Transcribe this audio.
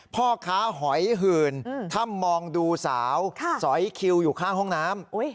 พ่อค้าหอยหื่นถ้ามองดูสาวสอยคิวอยู่ข้างห้องน้ำ